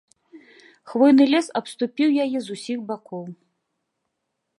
Хвойны лес абступіў яе з усіх бакоў.